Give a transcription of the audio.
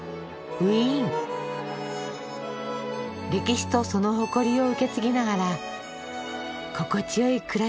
歴史とその誇りを受け継ぎながら心地よい暮らしを楽しんでたなぁ。